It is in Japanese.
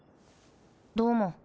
どうも。